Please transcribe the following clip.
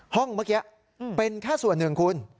ห้องเมื่อกี้เป็นแค่ส่วนหนึ่งคุณ